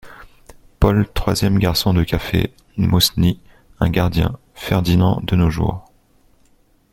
Paul Troisième garçon de café : Mosny Un gardien : Ferdinand De nos jours.